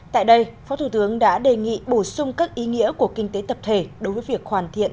tại đây phó thủ tướng đã đề nghị bổ sung các ý nghĩa của kinh tế tập thể đối với việc hoàn thiện